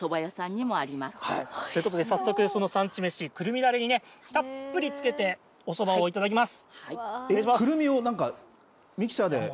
この地域ではくるみだれがどのおということで、早速その産地めし、くるみだれにね、たっぷりつけて、おそばを頂きます。